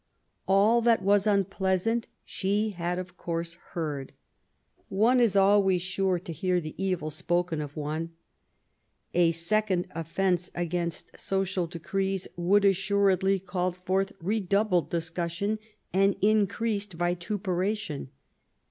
All that was unpleasant she had of course heard. One is always sure to hear the evil spoken of one. A second offence against social decrees would assuredly call forth redoubled discussion and in creased vituperation.